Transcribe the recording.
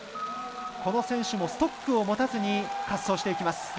この選手もストックを持たずに滑走していきます。